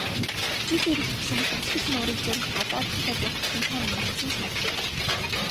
Жил ирэх тусам Хөвсгөл нуурыг зорих гадаад, дотоод жуулчдын тоо нэмэгдсэн сурагтай.